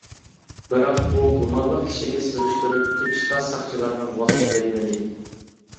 بىراق ئۇ گۇمانلىق كىشىنى سۈرۈشتۈرۈپ تېپىشقا ساقچىلارنىڭ ۋاقتى يەتمىدى.